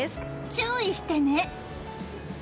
注意してね！